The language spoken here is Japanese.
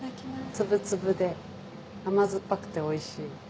粒々で甘酸っぱくておいしい。